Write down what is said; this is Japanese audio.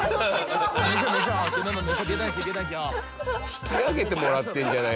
引き上げてもらってんじゃないか。